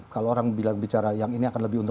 kalau orang bicara yang ini akan lebih untuk